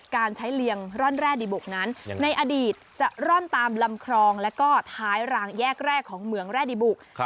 การใช้เลียงร่อนแร่ดีบุกนั้นในอดีตจะร่อนตามลำคลองแล้วก็ท้ายรางแยกแรกของเหมืองแร่ดีบุก